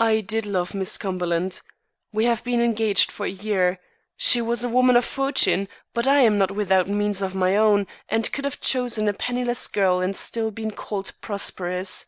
I did love Miss Cumberland. We have been engaged for a year. She was a woman of fortune but I am not without means of my own and could have chosen a penniless girl and still been called prosperous."